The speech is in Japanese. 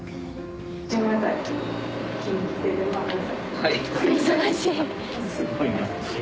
・はい。